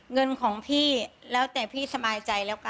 เงินของพี่แล้วแต่พี่สบายใจแล้วกัน